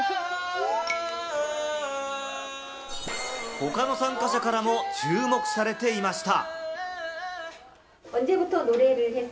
他の参加者からも注目されていました。